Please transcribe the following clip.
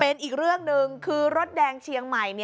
เป็นอีกเรื่องหนึ่งคือรถแดงเชียงใหม่